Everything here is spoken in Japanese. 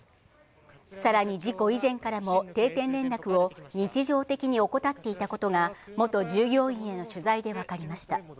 さらに事故以前からも定点連絡を日常的に怠っていたことが元従業員への取材でわかりました。